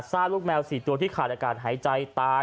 ลูกแมว๔ตัวที่ขาดอากาศหายใจตาย